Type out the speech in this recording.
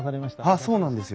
あっそうなんですよ。